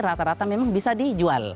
rata rata memang bisa dijual